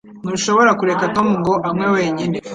Ntushobora kureka Tom ngo anywe wenyine